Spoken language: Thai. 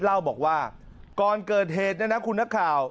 เล่าบอกว่าก่อนเกิดเหตุเนี่ยนะคุณนักข่าว